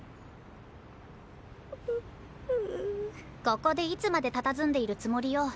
ここでいつまでたたずんでいるつもりよ。